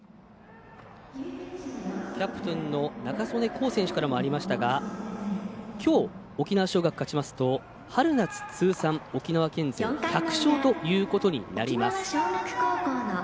キャプテンの仲宗根皐選手からもありましたがきょう、沖縄尚学勝ちますと春夏通算沖縄県勢１００勝となります。